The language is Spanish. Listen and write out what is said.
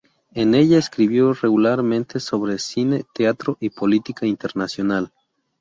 En ella escribió regularmente sobre cine, teatro y política internacional.